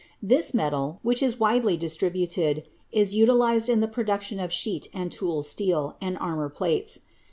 This metal, which is widely distributed, is utilized in the pro duction of sheet and tool steel and armor plates.